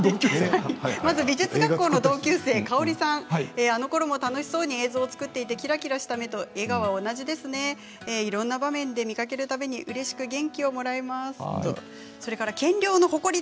まず美術学校の同級生のかおりさん、あのころも楽しそうに映像を作っていてキラキラした目と笑顔は同じですねいろいろな場面で見かけるたびにうれしく元気をもらいます。